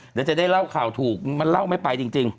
เดี๋ยวจะได้เล่าข่าวถูกมันเล่าไม่ไปจริง